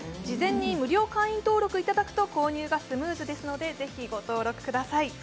事前に無料会員登録いただくと購入がスムーズですのでぜひご登録ください。